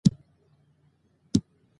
یاقوت د افغانستان د پوهنې نصاب کې شامل دي.